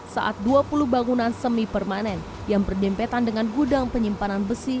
saat dua puluh bangunan semi permanen yang berdempetan dengan gudang penyimpanan besi